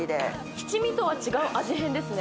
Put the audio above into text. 七味とは違う味変ですね。